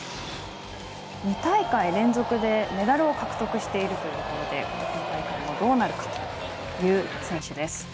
２大会連続でメダル獲得しているということで今大会どうなるかという選手です。